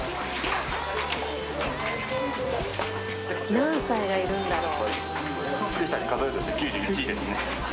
「何歳がいるんだろう？」